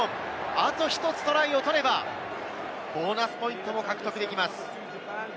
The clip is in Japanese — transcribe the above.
あと１つトライを取ればボーナスポイントも獲得できます。